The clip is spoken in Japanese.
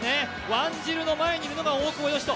ワンジルの前にいるのが大久保嘉人。